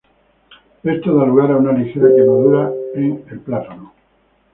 Esto da lugar a una ligera quemadura en el plátano.